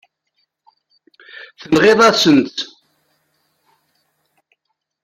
Tenɣiḍ-asent-tt.